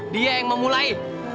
dia yang memulai